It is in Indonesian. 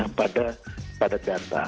ketergantungan kita pada data